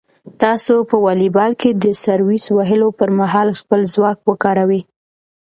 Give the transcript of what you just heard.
تاسو په واليبال کې د سرویس وهلو پر مهال خپل ځواک وکاروئ.